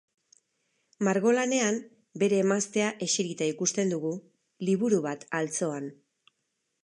Margolanean bere emaztea eserita ikusten dugu, liburu bat altzoan.